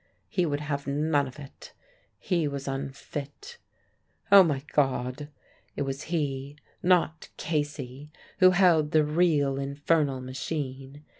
He would have none of it; he was unfit. "Oh, my God!" it was he, not Casey, who held the real infernal machine.